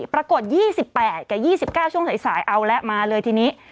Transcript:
ปรากฏ๒๘กับ๒๙ช่วงสายเอาแล้วมาเลยทีนี้